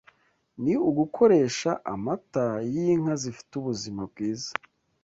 ni ugukoresha amata y’inka zifite ubuzima bwiza